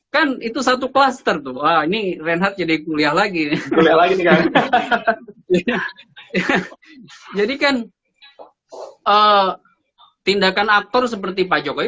kan itu satu klaster tuh ini renhard jadi kuliah lagi jadi kan tindakan aktor seperti pak jokowi